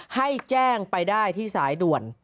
ให้แจ้งไปได้ที่สายด่วน